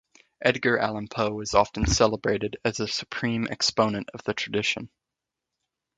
Edgar Allan Poe is often celebrated as the supreme exponent of the tradition.